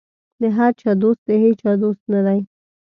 د هر چا دوست د هېچا دوست نه دی.